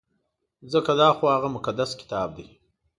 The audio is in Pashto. ځکه دا خو هغه مقدس کتاب دی.